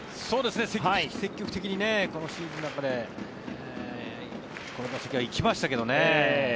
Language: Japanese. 積極的にこのシーズンの中でこの打席は行きましたけどね。